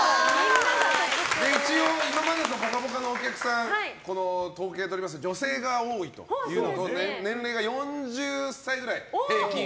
一応今までの「ぽかぽか」のお客さんの統計をとりますと女性が多いということで年齢が４０歳くらい、平均。